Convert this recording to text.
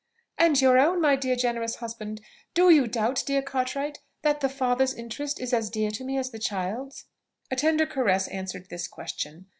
"And your own, my dear generous husband! Do you doubt, dear Cartwright, that the father's interest is as dear to me as the child's?" A tender caress answered this question.